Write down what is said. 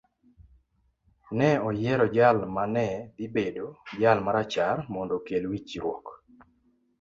Ne oyiero jal ma ne dhi bedo jal ma rachar mondo okel winjruok.